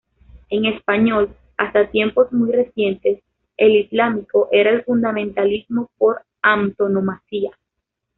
En español, hasta tiempos muy recientes, el islámico era el fundamentalismo por antonomasia.